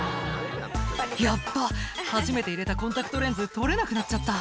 「ヤッバ！初めて入れたコンタクトレンズ取れなくなっちゃった」